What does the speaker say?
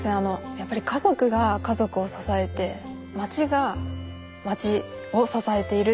やっぱり家族が家族を支えて町が町を支えているというのをこう。